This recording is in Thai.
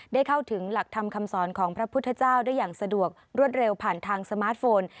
ได้เข้าถึงหลักธรรมคำสอนของพระพุทธเจ้าได้อย่างสะดวกรวดเร็วผ่านทางสมาร์ทโฟน